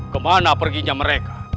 kemana perginya mereka